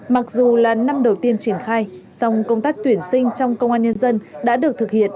mặc dù là năm đầu tiên triển khai song công tác tuyển sinh trong công an nhân dân đã được thực hiện